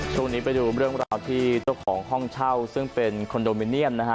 ช่วงนี้ไปดูเรื่องราวที่เจ้าของห้องเช่าซึ่งเป็นคอนโดมิเนียมนะฮะ